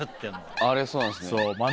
あれそうなんですね。